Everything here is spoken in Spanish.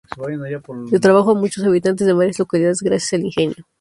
Da trabajo a muchos habitantes de varias localidades gracias al Ingenio.